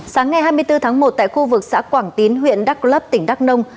sáng ngày hai mươi bốn tháng một tại khu vực xã quảng tín huyện đắk lấp tỉnh đắk nông